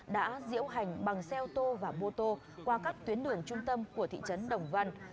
đã diễu hành bằng xe ô tô và mô tô qua các tuyến đường trung tâm của thị trấn đồng văn